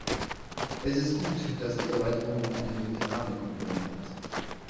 Es ist gut, dass die Erweiterung auch eine mediterrane Komponente hat.